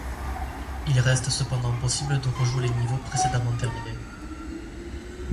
Il reste cependant possible de rejouer les niveaux précédemment terminés.